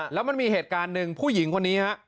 แล้วมันมีเหตุการณ์หนึ่งผู้หญิงคนนี้ฮะ